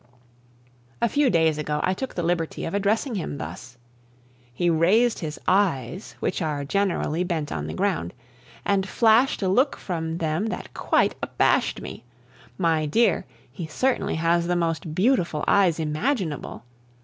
A few days ago I took the liberty of addressing him thus. He raised his eyes, which are generally bent on the ground, and flashed a look from them that quite abashed me; my dear, he certainly has the most beautiful eyes imaginable.